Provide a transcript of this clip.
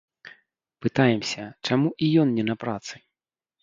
Пытаемся, чаму і ён не на працы?